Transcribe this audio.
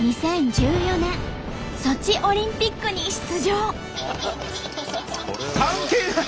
２０１４年ソチオリンピックに出場。